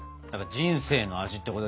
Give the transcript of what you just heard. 人生の味ってことですね。